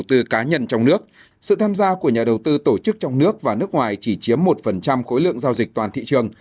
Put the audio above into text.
các nhà đầu tư cá nhân trong nước sự tham gia của nhà đầu tư tổ chức trong nước và nước ngoài chỉ chiếm một khối lượng giao dịch toàn thị trường